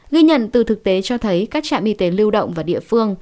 ghi nhận từ thực tế cho thấy các trạm y tế lưu động và địa phương